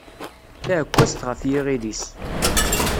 Taɛekkazt ɣef yiɣil-is.